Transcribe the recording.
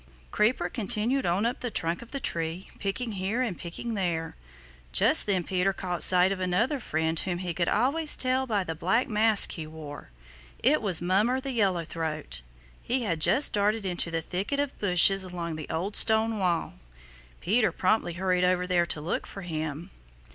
Creeper continued on up the trunk of the tree, picking here and picking there. Just then Peter caught sight of another friend whom he could always tell by the black mask he wore. It was Mummer the Yellow throat. He had just darted into the thicket of bushes along the old stone wall. Peter promptly hurried over there to look for him.